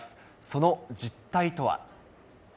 その実態とは。